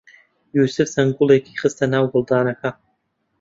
یووسف چەند گوڵێکی خستە ناو گوڵدانەکە.